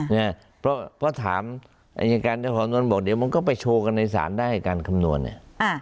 เนี่ยเพราะถามอายการเจ้าของนวลบอกเดี๋ยวมันก็ไปโชว์กันในศาลได้การคำนวณเนี่ย